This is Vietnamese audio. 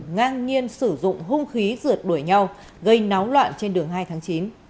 ngang nhiên sử dụng hung khí rượt đuổi nhau gây náo loạn trên đường hai tháng chín